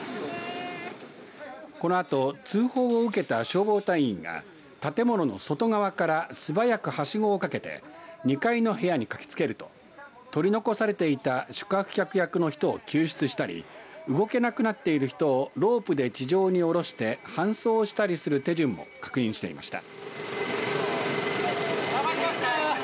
このあと通報を受けた消防隊員が建物の外側からすばやく、はしごをかけて２階の部屋に駆けつけると取り残されていた宿泊客役の人を救出したり動けなくなっている人をロープで地上に降ろして搬送したりする手順も確認していました。